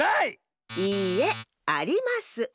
いいえあります。